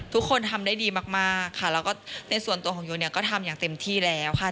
ทุกคนทำได้ดีมากค่ะแล้วก็ในส่วนตัวของโยเนี่ยก็ทำอย่างเต็มที่แล้วค่ะ